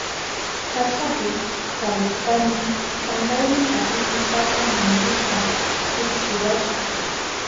Kashapi sarushpayni chankayni sapipi papa muyuka llukshiwashka.